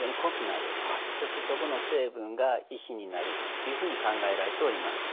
そしてそこの成分が石になるというふうに考えられております。